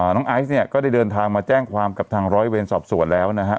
น้องไอซ์ก็ได้เดินทางมาแจ้งความกับทางร้อยเวรสอบสวนแล้ว